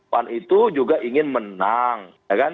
pan itu juga ingin menang